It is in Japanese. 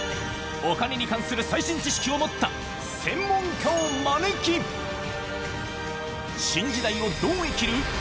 お金に関する最新知識を持った専門家を招き、新時代をどう生きる？